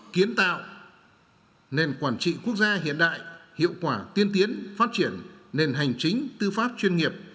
kiến tạo nền quản trị quốc gia hiện đại hiệu quả tiên tiến phát triển nền hành chính tư pháp chuyên nghiệp